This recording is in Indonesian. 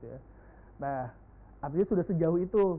artinya sudah sejauh itu